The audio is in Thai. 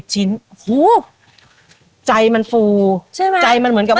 ๒๔๐ชิ้นโอ้โหใจมันฟูใช่ไหมใจมันเหมือนกับว่า